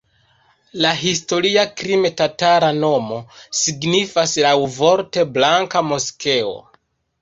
La historia krime-tatara nomo signifas laŭvorte "blanka moskeo".